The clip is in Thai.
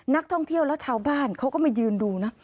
นักท่องเที่ยวแล้วชาวบ้านเขาก็มายืนดูนะ